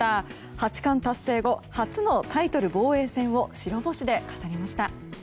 八冠達成後初のタイトル防衛戦を白星で飾りました。